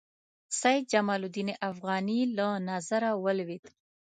سید جمال الدین افغاني له نظره ولوېد.